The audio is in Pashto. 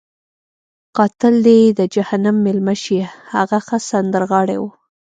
قاتل دې یې د جهنم میلمه شي، هغه ښه سندرغاړی وو.